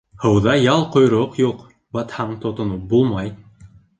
Һыуҙа ял-ҡойроҡ юҡ, батһаң тотоноп булмай.